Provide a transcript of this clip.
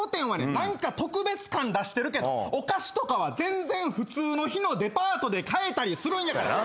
何か特別感出してるけどお菓子とかは全然普通の日のデパートで買えたりするんやから。